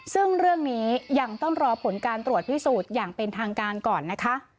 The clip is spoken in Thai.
ซึ่งเรื่องนี้ยังต้องรอผลการตรวจพิสูจน์อย่างเป็นทางการก่อนนะคะ